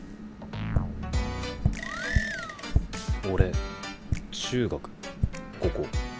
俺中学ここ。